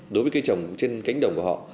đối với cây trồng trên cánh đồng của họ